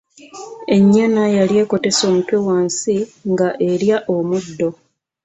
Ennyana yali ekotese omutwe wansi nga'erya omuddo.